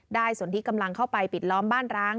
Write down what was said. สนที่กำลังเข้าไปปิดล้อมบ้านร้าง